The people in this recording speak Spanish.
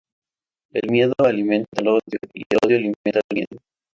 El miedo alimenta al odio, y el odio alimenta el miedo.